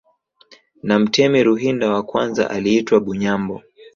Na mtemi Ruhinda wa kwanza aliitwa Bunyambo